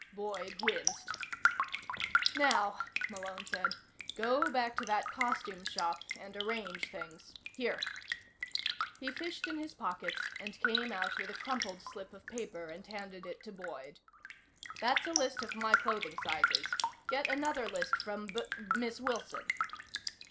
Boyd winced. "Now," Malone said, "go back to that costume shop and arrange things. Here." He fished in his pockets and came out with a crumpled slip of paper and handed it to Boyd. "That's a list of my clothing sizes. Get another list from B Miss Wilson."